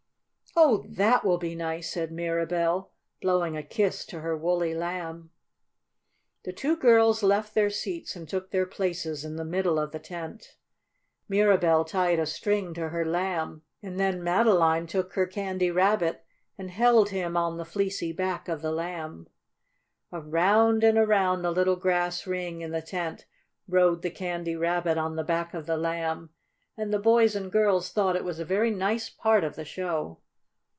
"Oh, that will be nice," said Mirabell, blowing a kiss to her woolly Lamb. The two girls left their seats and took their places in the middle of the tent. Mirabell tied a string to her Lamb and then Madeline took her Candy Rabbit and held him on the fleecy back of the Lamb. Around and around the little grass ring in the tent rode the Candy Rabbit on the back of the Lamb, and the boys and girls thought it was a very nice part of the show.